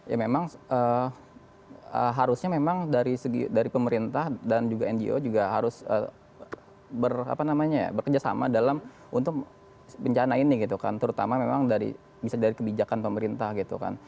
ya memang harusnya memang dari segi dari pemerintah dan juga ngo juga harus bekerjasama dalam untuk bencana ini gitu kan terutama memang dari bisa dari kebijakan pemerintah gitu kan